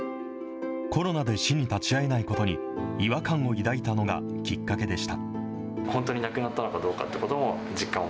コロナで死に立ち会えないことに違和感を抱いたのがきっかけでした。